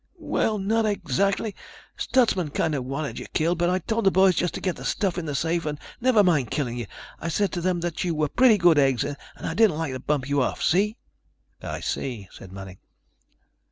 "Well, not exactly. Stutsman kind of wanted you killed, but I told the boys just to get the stuff in the safe and never mind killing you. I said to them that you were pretty good eggs and I didn't like to bump you off, see?" "I see," said Manning.